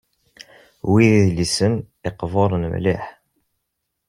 Wi d idlisen iqburen mliḥ.